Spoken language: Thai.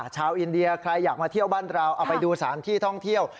ชาวอินเดียใครอยากมาเที่ยวบ้านเราเอาไปดูสถานที่ท่องเที่ยว